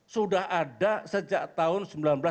sudah ada sejak tahun seribu sembilan ratus sembilan puluh